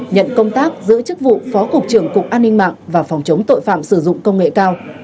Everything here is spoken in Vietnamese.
nhận công tác giữ chức vụ phó cục trưởng cục an ninh mạng và phòng chống tội phạm sử dụng công nghệ cao